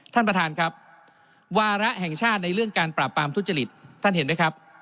ท่านประธานครับวาระแห่งชาติในเรื่องการปราบปรามทุจริตท่านเห็นไหมครับ